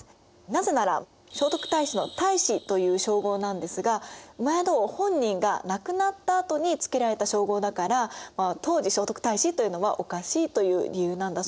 なぜなら聖徳太子の太子という称号なんですが戸王本人が亡くなったあとに付けられた称号だから当時聖徳太子というのはおかしいという理由なんだそうです。